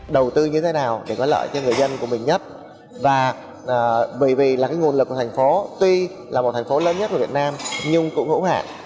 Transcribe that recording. đầu tư như thế nào để có lợi cho người dân của mình nhất và bởi vì là cái nguồn lực của thành phố tuy là một thành phố lớn nhất của việt nam nhưng cũng hữu hạn